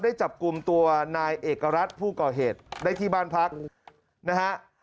จับกลุ่มตัวนายเอกรัฐผู้ก่อเหตุได้ที่บ้านพักนะฮะ